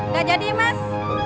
gak jadi mas